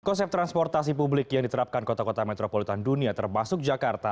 konsep transportasi publik yang diterapkan kota kota metropolitan dunia termasuk jakarta